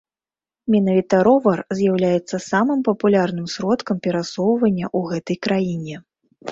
Менавіта ровар з'яўляецца самым папулярным сродкам перасоўвання ў гэтай краіне.